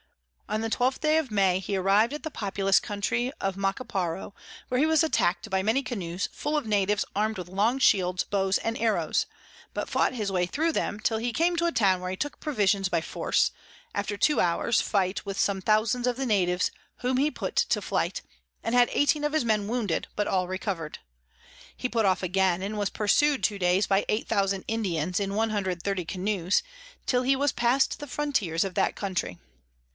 On the 12th of May he arriv'd at the populous Country of Machiparo, where he was attack'd by many Canoes full of Natives arm'd with long Shields, Bows and Arrows; but fought his way thro them till he came to a Town where he took Provisions by Force, after two hours fight with some thousands of the Natives whom he put to flight, and had 18 of his Men wounded, but all recover'd. He put off again, and was pursu'd two days by 8000 Indians in 130 Canoes, till he was past the Frontiers of that Country.